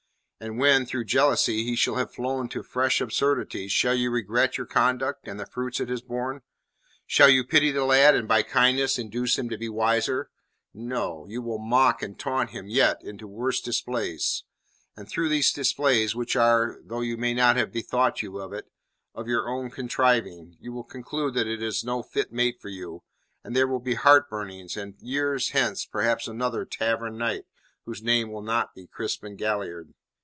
And when, through jealousy, he shall have flown to fresh absurdities, shall you regret your conduct and the fruits it has borne? Shall you pity the lad, and by kindness induce him to be wiser? No. You will mock and taunt him into yet worse displays. And through these displays, which are though you may not have bethought you of it of your own contriving, you will conclude that he is no fit mate for you, and there will be heart burnings, and years hence perhaps another Tavern Knight, whose name will not be Crispin Galliard."